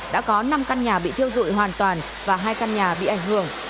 đã có năm căn nhà bị thiêu dụi hoàn toàn và hai căn nhà bị ảnh hưởng